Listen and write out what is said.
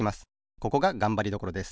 ここががんばりどころです。